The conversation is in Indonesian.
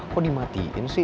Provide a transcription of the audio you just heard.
kok dimatiin sih